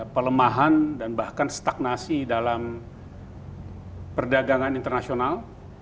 pelemahan dan bahkan stagnasi dalam perdagangan internasional